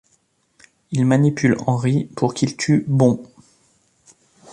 Il manipule Henry pour qu’il tue Bon.